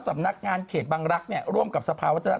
สำนักงานเขตบังรักษณ์ร่วมกับสภาวัตถัมธ์เขตบังรักษณ์